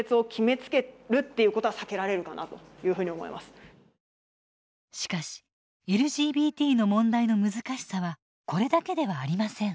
そこに少なくともしかしＬＧＢＴの問題の難しさはこれだけではありません。